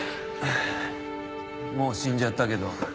もう死んじゃったけど。